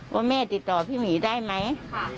ว่าแม่ติดต่อพี่หมีได้ไหม